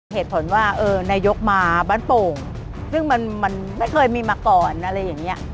เหตุผลว่าเออนายกมาบ้านโป่งซึ่งมันไม่เคยมีมาก่อนอะไรอย่างนี้